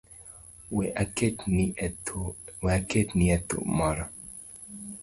We aketni e thum moro.